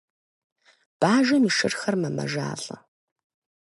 Бажэм и шырхэр мэмэжалӏэ.